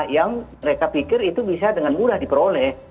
yang mereka pikir itu bisa dengan mudah diperoleh